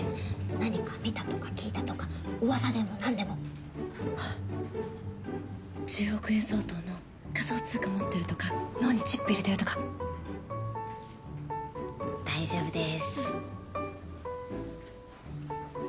何か見たとか聞いたとかうわさでもなんでもあっ１０億円相当の仮想通貨持ってるとか脳にチップ入れてるとか大丈夫です